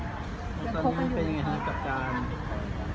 ยังคบกันอยู่หรอคะ